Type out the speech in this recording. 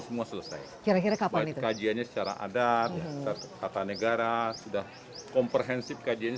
semua selesai kira kira apa kajiannya secara adat kata negara sudah komprehensif kajiannya